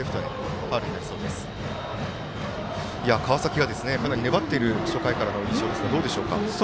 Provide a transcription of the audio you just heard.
川崎が粘っている初回からの印象ですがどうでしょうか？